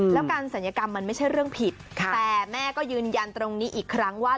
แล้วการศัลยกรรมมันไม่ใช่เรื่องผิดแต่แม่ก็ยืนยันตรงนี้อีกครั้งว่า